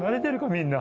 みんな。